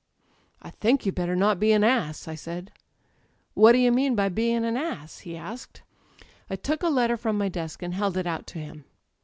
"'I think you'd better not be an ass,' I said. "'What do you mean by being an ass ?' he. asked. "I took a letter from my desk and held it out to him.